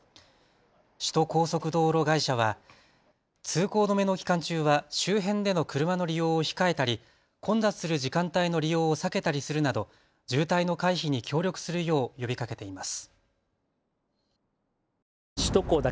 首都高速道路会社は通行止めの期間中は周辺での車の利用を控えたり混雑する時間帯の利用を避けたりするなど渋滞の回避に協力するよう呼びかけています。